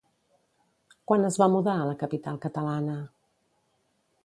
Quan es va mudar a la capital catalana?